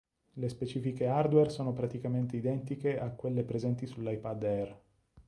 Le specifiche hardware sono praticamente identiche a quelle presenti sull'iPad Air.